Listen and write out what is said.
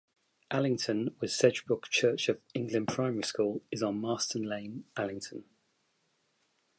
Allington with Sedgebrook Church of England Primary School is in Marston Lane, Allington.